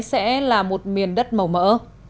sẽ là một miền đất màu mỡ